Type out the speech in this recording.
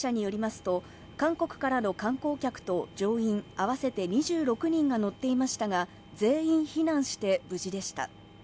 韓国からの観光客と乗員合わせて２６人が乗っていましたが、全員避難して無事でした。